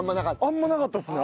あんまなかったっすね